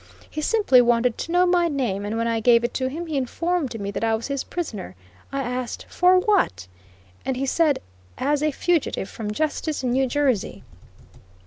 He simply wanted to know my name, and when I gave it to him he informed me that I was his prisoner. I asked for what? and he said "as a fugitive from justice in New Jersey."